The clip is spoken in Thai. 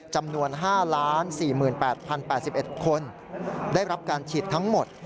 จำนวน๕๔๘๐๘๑คนได้รับการฉีดทั้งหมด